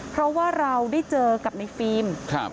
เพราะว่าเราได้เจอกับในฟิล์ม